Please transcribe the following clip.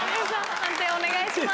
判定お願いします。